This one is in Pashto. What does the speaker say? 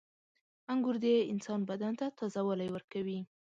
• انګور د انسان بدن ته تازهوالی ورکوي.